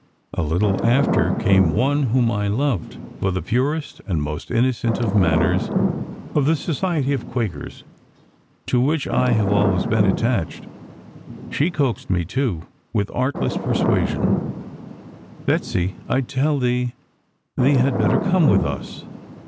"A little after came one whom I loved, for the purest and most innocent of manners, of the Society of Quakers (to which I have always been attached), she coaxed me, too, with artless persuasion: 'Betsey, I tell thee, thee had better come with us.